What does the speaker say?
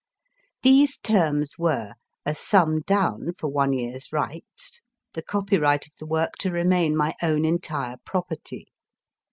These terms were, a sum down for one year s rights, the copyright of the work to remain my own entire property.